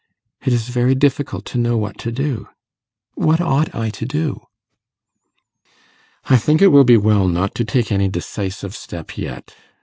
It is very difficult to know what to do: what ought I to do?' 'I think it will be well not to take any decisive step yet.